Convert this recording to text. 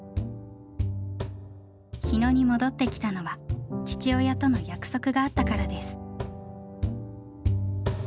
日野に戻って来たのは父親との約束があったからです。